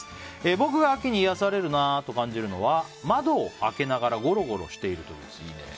僕が秋に癒やされるなと感じるのは窓を開けながらごろごろしている時です。